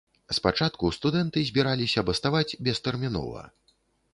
Спачатку студэнты збіраліся баставаць бестэрмінова.